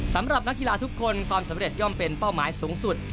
สำหรับนักกีฬาทุกคนความสำเร็จย่อมเป็นเป้าหมายสูงสุด